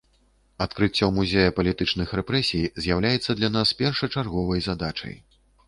Адкрыццё музея палітычных рэпрэсій з'яўляецца для нас першачарговай задачай.